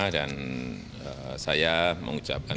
dan saya mengucapkan